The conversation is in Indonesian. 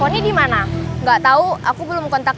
pony dimana gak tahu aku belum kontak